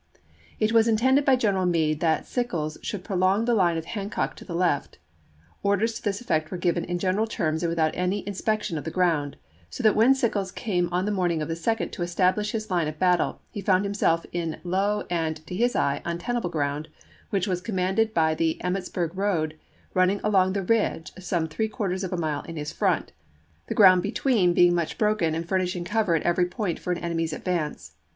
It was intended by General Meade that Sickles should prolong the line of Hancock to the left. Orders to this effect were given in general terms and without any inspection of the ground ; so that when Sickles came on the morning of the 2d to establish his line of battle he found himself in low and, to his eye, untenable ground, which was commanded by the Emmitsburg road running along the ridge some three quarters of a mile in his front, the ground between being much broken and furnishing cover at every point for an enemy's advance.